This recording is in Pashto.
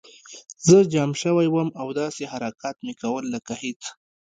زه جام شوی وم او داسې حرکات مې کول لکه هېڅ